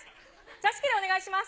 座敷でお願いします。